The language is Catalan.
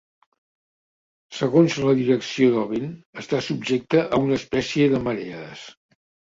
Segons la direcció del vent, està subjecte a una espècie de marees.